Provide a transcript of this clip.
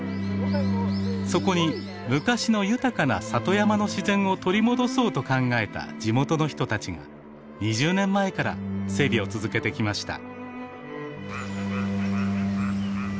そこに「昔の豊かな里山の自然を取り戻そう」と考えた地元の人たちが２０年前から整備を続けてきました。